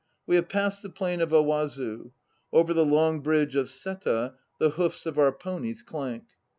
We have passed the plain of Awazu. Over the long bridge of Seta The hoofs of our ponies clank.